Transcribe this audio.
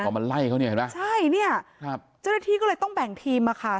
พอมันไล่เขาเนี่ยเห็นไหมใช่เนี่ยครับเจ้าหน้าที่ก็เลยต้องแบ่งทีมมาค่ะ